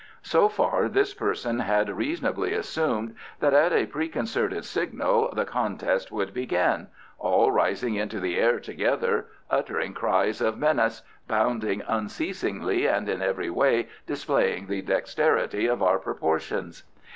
So far this person had reasonably assumed that at a preconcerted signal the contest would begin, all rising into the air together, uttering cries of menace, bounding unceasingly and in every way displaying the dexterity of our proportions.